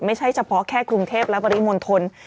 ไม่ใช่เฉพาะแค่กรุงเทพและปริมณฑล